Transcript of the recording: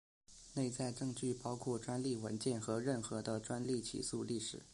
内在证据包括专利文件和任何的专利起诉历史。